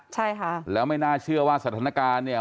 ใช่ค่ะแล้วไม่น่าเชื่อว่าสถานการณ์เนี่ย